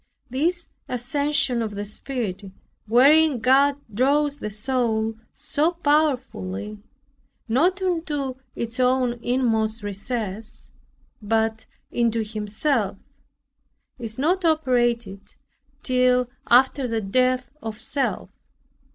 This ascension of the spirit, wherein God draws the soul so powerfully, not into its own inmost recess, but into Himself, is not operated till after the death of self.